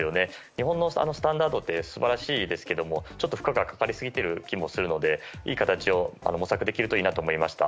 日本のスタンダードって素晴らしいですがちょっと負荷がかかりすぎている気もするのでいい形を模索できるといいと思いました。